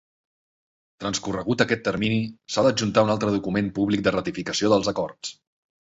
Transcorregut aquest termini s'ha d'adjuntar un altre document públic de ratificació dels acords.